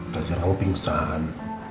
kajian kamu pingsan